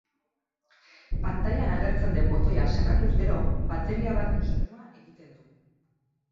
Pantailan agertzen den botoia sakatuz gero, bateria baten soinua egiten du.